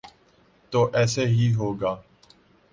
تو ایسے ہی ہوگا۔